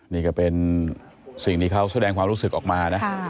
นี่ก็เป็นสิ่งที่เขาแสดงความรู้สึกออกมานะ